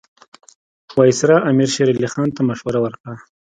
وایسرا امیر شېر علي خان ته مشوره ورکړه.